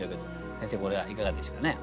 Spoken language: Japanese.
先生これはいかがでしょうかね。